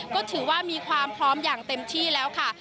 ก็ถือว่ามีความพร้อมอย่างเต็มที่แล้วค่ะ